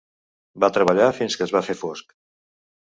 Va treballar fins que es va fer fosc.